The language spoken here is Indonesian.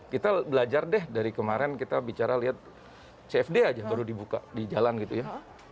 kita belajar deh dari kemarin kita bicara lihat cfd aja baru dibuka di jalan gitu ya